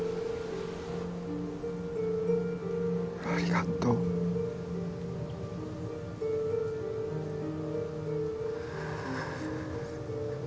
ありがとう。